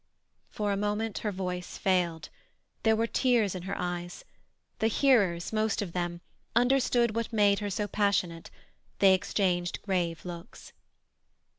For a moment her voice failed. There were tears in her eyes. The hearers, most of them, understood what made her so passionate; they exchanged grave looks.